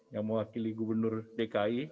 yang mewakili gubernur dki